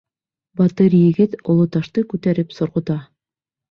Батыр егет оло ташты күтәреп сорғота.